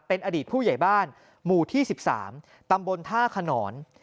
เป็นอดีตผู้ใหญ่บ้านหมู่ที่๑๓ตำบลท่าขนอน